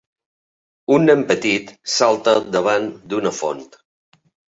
Un nen petit salta davant d'una font.